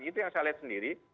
itu yang saya lihat sendiri